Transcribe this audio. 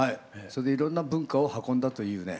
それでいろんな文化を運んだというね